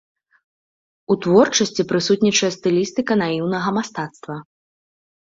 У творчасці прысутнічае стылістыка наіўнага мастацтва.